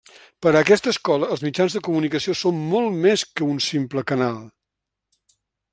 Per a aquesta escola els mitjans de comunicació són molt més que un simple canal.